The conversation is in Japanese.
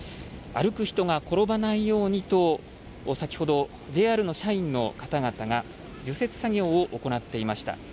歩く人が転ばないようにと、先ほど、ＪＲの社員の方々が除雪作業を行っていました。